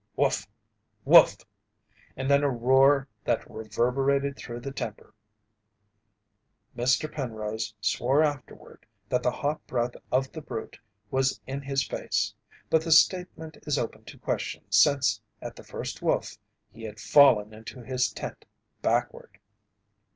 "Woof! Woof!" And then a roar that reverberated through the timber. Mr. Penrose swore afterward that the hot breath of the brute was in his face, but the statement is open to question since at the first "Woof!" he had fallen into his tent backward.